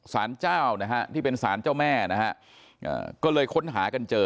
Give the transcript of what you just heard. สารเจ้านะฮะที่เป็นสารเจ้าแม่นะฮะก็เลยค้นหากันเจอ